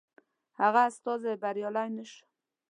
هغه استازی بریالی نه شو.